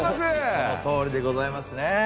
そのとおりでございますね。